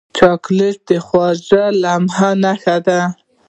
چاکلېټ د خوږو لمحو نښه ده.